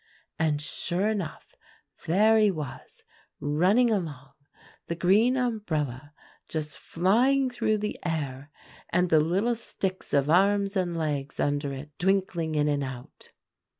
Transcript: "And sure enough; there he was running along the green umbrella just flying through the air, and the little sticks of arms and legs under it twinkling in and out.